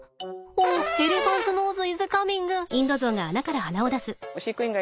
オーエレファンツノーズイズカミング。